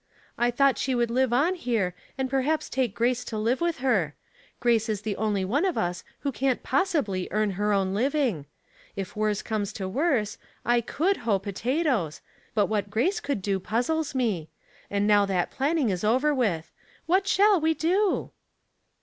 " I thought she would live on here, and perhaps take Grace to live with her. Grace VM the onlv one of ua who can't posaihly earn lier A Discussion Closed. 303 own living. If worse comes to worse, I could hoe potatoes, but what Grace could do pii;^>les me; and now that planning is over with. \\ nat shall we do?